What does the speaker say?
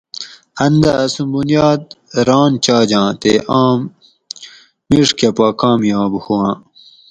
ان دہ اسوں بنیاد ران چاجاں تے آم مِیڛ کۤہ پا کامیاب ہُواۤں